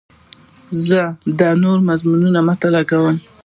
زه د نوو مضامینو مطالعه کوم.